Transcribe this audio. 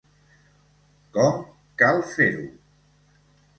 Com cal fer-ho?